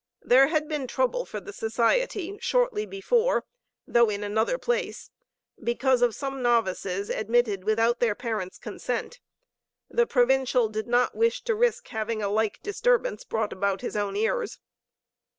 There had been trouble for the Society shortly before, though in another place, because of some novices admitted without their parents' consent. The Provincial did not wish to risk having a like disturbance brought about his own ears.